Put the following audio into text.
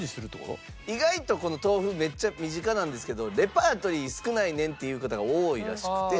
意外とこの豆腐めっちゃ身近なんですけどレパートリー少ないねんっていう方が多いらしくて。